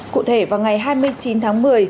cụ thể vào ngày hai mươi chín tháng một mươi